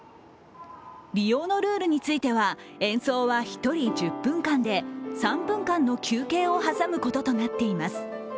利用のルールについては演奏は１人１０分間で３分間の休憩を挟むこととなっています。